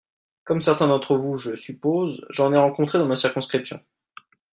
Comme certains d’entre vous je le suppose, j’en ai rencontré dans ma circonscription.